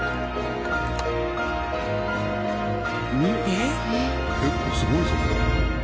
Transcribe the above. えっすごいぞこれ。